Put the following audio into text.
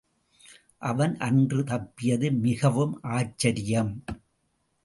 அவன் அன்று தப்பியது மிகவும் ஆச்சரியம்.